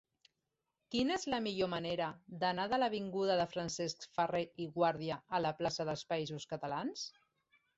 Quina és la millor manera d'anar de l'avinguda de Francesc Ferrer i Guàrdia a la plaça dels Països Catalans?